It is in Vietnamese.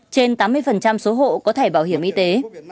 trên tám mươi số hộ có thẻ bảo hiểm y tế